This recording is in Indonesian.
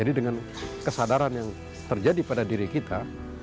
jadi dengan kesadaran yang terjadi pada diri kita